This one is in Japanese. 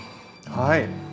はい。